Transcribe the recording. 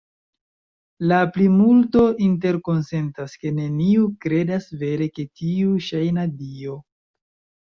La plimulto interkonsentas, ke neniu kredas vere je tiu ŝajna dio.